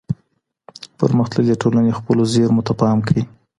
پرمختللې ټولني خپلو زیرمو ته پام کوي.